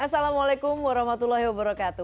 assalamualaikum warahmatullahi wabarakatuh